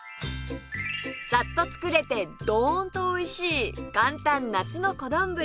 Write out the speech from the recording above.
さっと作れてどーんとおいしい簡単夏の小丼